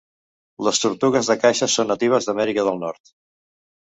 Les tortugues de caixa són natives d'Amèrica del Nord.